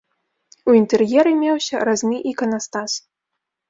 У інтэр'еры меўся разны іканастас.